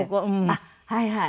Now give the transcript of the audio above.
あっはいはい。